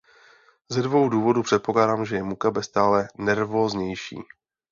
Ze dvou důvodů předpokládám, že je Mugabe stále nervóznější.